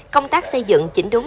công tác xây dựng chỉnh đốn đảng